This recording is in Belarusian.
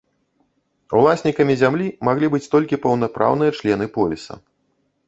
Уласнікамі зямлі маглі быць толькі паўнапраўныя члены поліса.